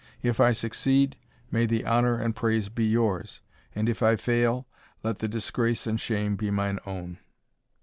If I succeed, may the honour and praise be yours, and if I fail, let the disgrace and shame be mine own."